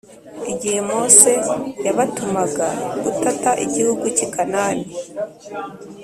Igihe Mose yabatumaga gutata igihugu cy i Kanani